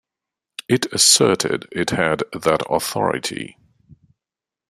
It asserted it had that authority.